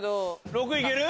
６いける？